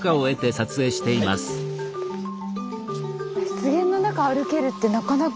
湿原の中歩けるってなかなか。